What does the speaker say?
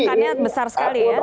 penolakannya besar sekali ya